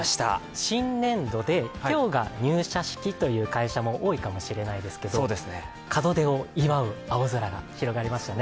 新年度で今日が入社式という会社も多いかもしれないですけど、門出を祝う青空が広がりましたね。